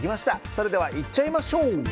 それではいっちゃいましょう。